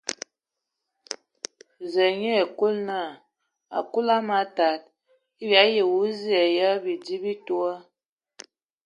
Zǝ nye ai Kulu naa : a Kulu, a man tad, eyə bii awu zie ya bidi bi toa ?